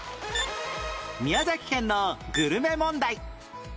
宮崎県のグルメ問題